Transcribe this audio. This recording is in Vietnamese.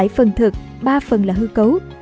bảy phần thực ba phần là hư cấu